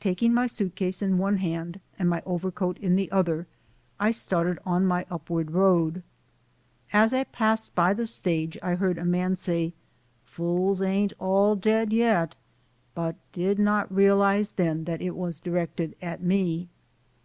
Taking my suitcase in one hand and my overcoat in the other I started on my upward road. As I passed by the stage I heard a man say, "Fools ain't all dead yet," but did not realize then that it was directed at me.